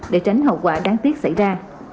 để tránh hậu quả đáng tiếc xảy ra